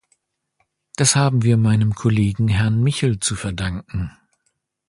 Das haben wir meinem Kollegen Herrn Michel zu verdanken.